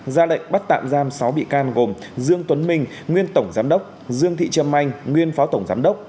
ra lệnh bắt tạm giam sáu bị can gồm dương tuấn minh nguyên tổng giám đốc dương thị trâm anh nguyên phó tổng giám đốc